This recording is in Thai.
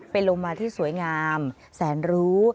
เป็นโลมาที่สวยงามแสนรู้